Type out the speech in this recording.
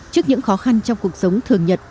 trước những khó khăn trong cuộc sống thường nhật